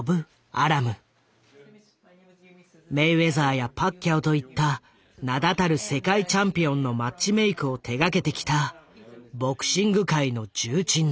メイウェザーやパッキャオといった名だたる世界チャンピオンのマッチメイクを手がけてきたボクシング界の重鎮だ。